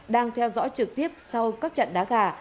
đang theo dõi trực tiếp sau các trận đá gà